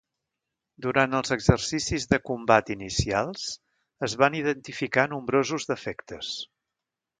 Durant els exercicis de combat inicials es van identificar nombrosos defectes.